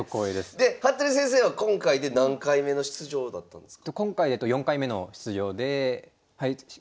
で服部先生は今回で何回目の出場だったんですか？